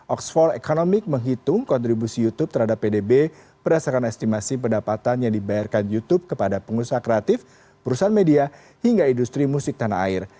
oxford economic menghitung kontribusi youtube terhadap pdb berdasarkan estimasi pendapatan yang dibayarkan youtube kepada pengusaha kreatif perusahaan media hingga industri musik tanah air